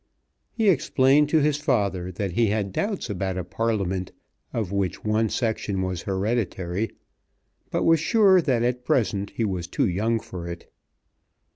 He explained to his father that he had doubts about a Parliament of which one section was hereditary, but was sure that at present he was too young for it.